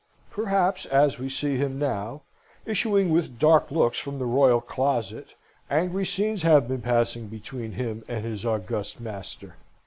Perhaps as we see him now, issuing with dark looks from the royal closet, angry scenes have been passing between him and his august master.